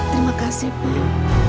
terima kasih pak